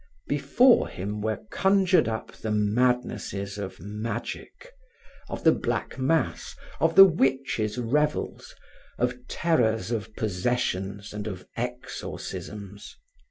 Before him were conjured up the madnesses of magic, of the black mass, of the witches' revels, of terrors of possessions and of exorcisms.